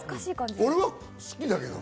俺は好きだけどね。